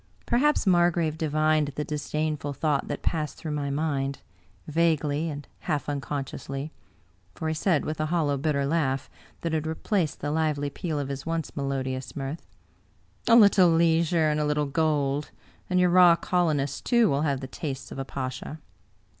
Perhaps Margrave divined the disdainful thought that passed through my mind, vaguely and half uncon sciously; for he said with a hollow, bitter laugh that had replaced the lively peal of his once melodious mirth :" A little leisure and a little gold, and your raw colonist, too, will have the tastes of a pasha."